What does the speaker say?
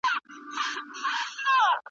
دا بیرغ نن ورځ یوازي له منظور پښتین سره دی `